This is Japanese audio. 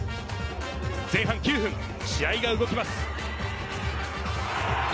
前半９分、試合が動きます。